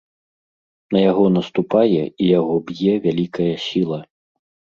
На яго наступае і яго б'е вялікая сіла.